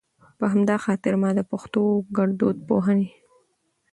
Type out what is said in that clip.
په همدا خاطر ما د پښتو ګړدود پوهنې